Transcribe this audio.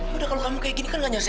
hati aku tuh sakit banget